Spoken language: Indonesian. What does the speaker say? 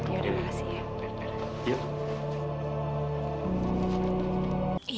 yaudah makasih ya